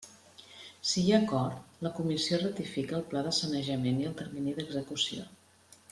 Si hi ha acord, la Comissió ratifica el pla de sanejament i el termini d'execució.